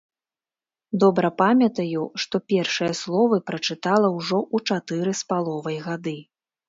Добра памятаю, што першыя словы прачытала ўжо ў чатыры з паловай гады.